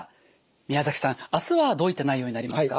宮崎さん明日はどういった内容になりますか？